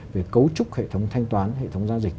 về cấu trúc hệ thống thanh toán hệ thống giao dịch